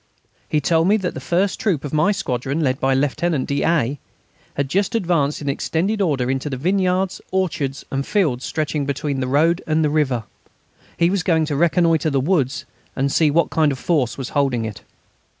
He told me that the first troop of my squadron, led by Lieutenant d'A., had just advanced, in extended order, into the vineyards, orchards, and fields stretching between the road and the river. He was going to reconnoitre the woods and see what kind of force was holding it.